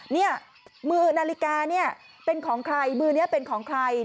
เนี่ยมือนาฬิกาเนี่ยเป็นของใครมือนี้เป็นของใคร